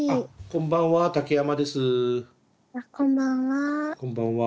こんばんは。